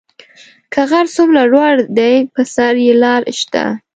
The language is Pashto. که غر څومره لوړ دی پر سر یې لار شته